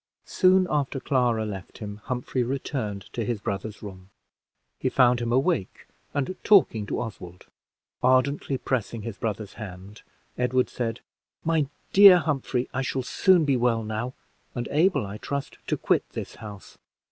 Soon after Clara left him, Humphrey returned to his brother's room. He found him awake and talking to Oswald. Ardently pressing his brother's hand, Edward said "My dear Humphrey, I shall soon be well now, and able, I trust, to quit this house.